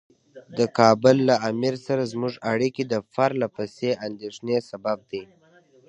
د کابل له امیر سره زموږ اړیکې د پرله پسې اندېښنې سبب دي.